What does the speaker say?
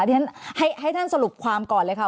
เดี๋ยวฉันให้ท่านสรุปความก่อนเลยค่ะ